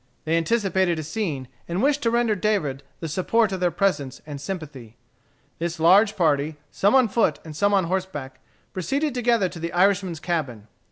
They anticipated a scene, and wished to render David the support of their presence and sympathy. This large party, some on foot and some on horseback, proceeded together to the Irishman's cabin.